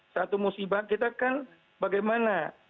satu musibah kita kan bagaimana